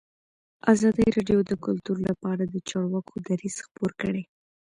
ازادي راډیو د کلتور لپاره د چارواکو دریځ خپور کړی.